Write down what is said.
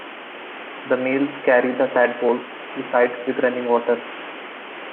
The males carry the tadpoles to sites with running water.